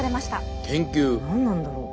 何なんだろう？